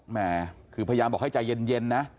แม่คือพยายามบอกให้ใจเย็นนะ